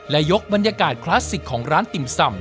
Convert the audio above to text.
และยกบรรยากาศคลาสสิกของร้านติ่มซ่ำ